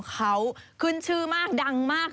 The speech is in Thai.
เขาขึ้นชื่อมากดังมาก